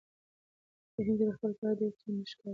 رحیم تر خپل پلار ډېر توند ښکارېده.